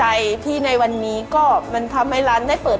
การที่บูชาเทพสามองค์มันทำให้ร้านประสบความสำเร็จ